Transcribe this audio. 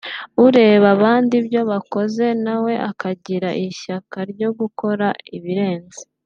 ureba abandi ibyo bakoze na we ukagira ishyaka ryo gukora ibirenze